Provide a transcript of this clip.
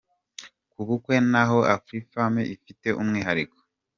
Ku bukwe naho, Afrifame ifite umwihariko.